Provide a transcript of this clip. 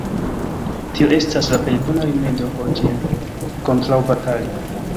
Tio estas la plej bona rimedo por ĝin kontraŭbatali.